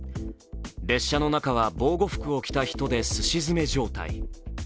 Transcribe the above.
列車の中は防護服を着た人ですし詰め状態。